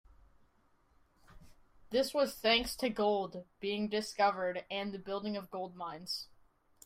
This was thanks to gold being discovered and the building of gold mines.